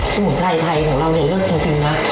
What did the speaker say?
สูตรไทยไทยของเราเนี่ยเลือกจริงนะ